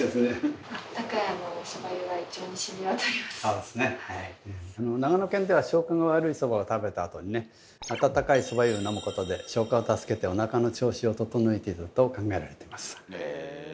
あ長野県では消化が悪いそばを食べたあとにね温かいそば湯を飲むことで消化を助けておなかの調子を整えていたと考えられてます。